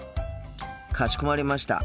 かしこまりました。